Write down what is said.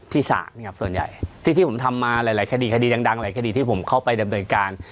ศาลส่วนใหญ่ที่ผมทำมาหลายคดีคดีดังหลายคดีที่ผมเข้าไปดำเนินการ